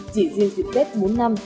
chỉ riêng dịp tết bốn năm